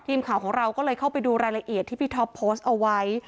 ทีมข่าวของเราก็เลยเข้าไปดูรายละเอียดที่พี่ท็อปโพสต์เอาไว้